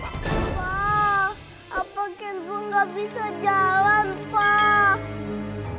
pak apa kenzo gak bisa jalan pak